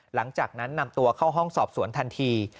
หลังจากนั้นนำตัวเข้าห้องสอบสวนทันที